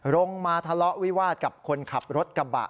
ลงมาทะเลาะวิวาสกับคนขับรถกระบะ